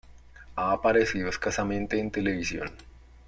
Ha aparecido escasamente en televisión.